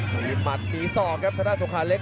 มัดมี๒ครับชาวท่าน่ารมณ์ส่วงกาเล็ก